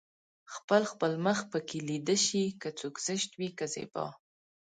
خپل خپل مخ پکې ليده شي که څوک زشت وي که زيبا